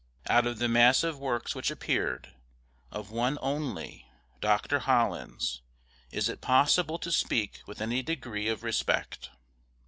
Out of the mass of works which appeared, of one only Dr. Holland's is it possible to speak with any degree of respect.